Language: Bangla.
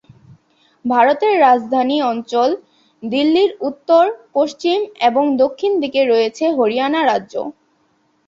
ভারতের রাজধানী অঞ্চল দিল্লির উত্তর, পশ্চিম এবং দক্ষিণ দিকে রয়েছে হরিয়ানা রাজ্য।